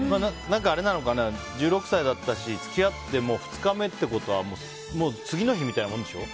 何か１６歳だったし付き合って２日目ってことはもう次の日みたいなもんでしょ？